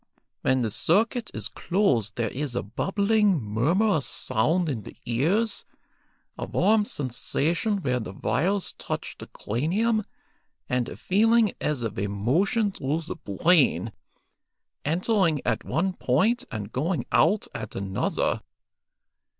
When the circuit is closed there is a bubbling, murmurous sound in the ears, a warm sensation where the wires touch the cranium, and a feeling as of a motion through the brain, entering at one point and going out at another.